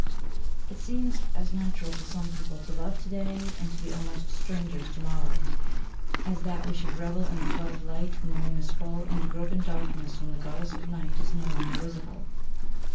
It seems as natural to some people to love to day, and to be almost strangers to morrow, as that we should revel in a flood of light when the moon is full, and grope in darkness when the goddess of night is no longer visible.